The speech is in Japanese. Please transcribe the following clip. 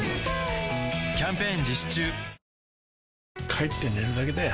帰って寝るだけだよ